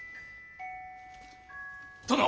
殿！